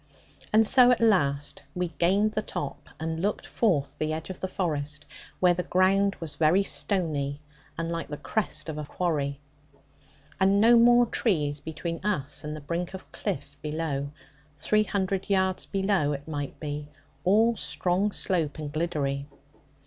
And so at last we gained the top, and looked forth the edge of the forest, where the ground was very stony and like the crest of a quarry; and no more trees between us and the brink of cliff below, three hundred yards below it might be, all strong slope and gliddery.